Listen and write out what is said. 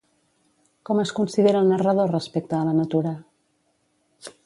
Com es considera el narrador respecte a la natura?